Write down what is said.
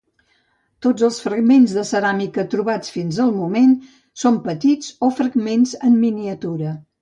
Tots els fragments de ceràmica trobats fins al moment són petits o fragments en miniatura.